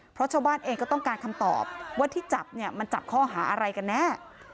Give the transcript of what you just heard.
เพราะชาวบ้านเองก็ต้องการคำตอบว่าที่จับเนี่ยมันจับข้อหาอะไรกันแน่